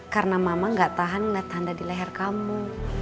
karena mama ga tahan liat tanda di leher kamu